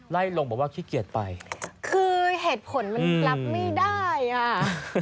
ไล่ลงบอกว่าขี้เกียจไปคือเหตุผลมันรับไม่ได้อ่ะ